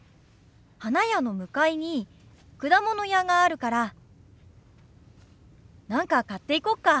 花屋の向かいに果物屋があるから何か買っていこうか。